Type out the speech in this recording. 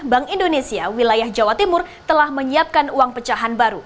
bank indonesia wilayah jawa timur telah menyiapkan uang pecahan baru